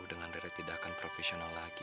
dengan daerah tidak akan profesional lagi